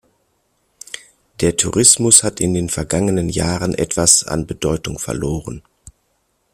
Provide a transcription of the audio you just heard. Der Tourismus hat in den vergangenen Jahren etwas an Bedeutung verloren.